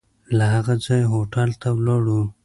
له هغه ځایه هوټل ته ولاړو.